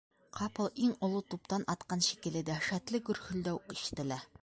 Ҡапыл иң оло туптан атҡан шикелле дәһшәтле гөрһөлдәү ишетелә.